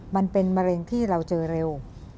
มันเป็นมะเร็งที่เราเจอเร็ว